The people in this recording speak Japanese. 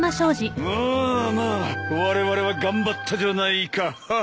まあまあわれわれは頑張ったじゃないか。